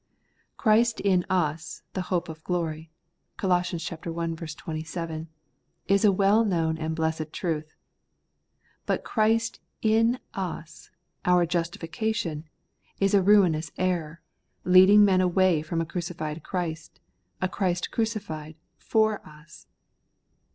' Christ in us, the hope of glory' (Col. i 27), is a well known and blessed truth; but Christ in us, our justification, is a ruinous error, leading men away from a crucified Christ — a Christ crucified FOR us.